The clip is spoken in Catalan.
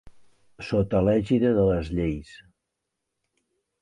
Sota l'ègida de les lleis.